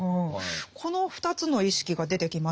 この２つの意識が出てきましたよね。